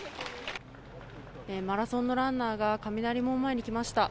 マラソンのランナーが雷門前に来ました。